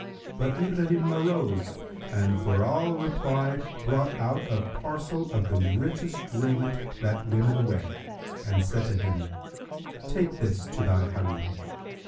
But Ibrahim arose and for all reply brought out a parcel of the richest raiment that women wear and said to him, "Take this to thy Harim."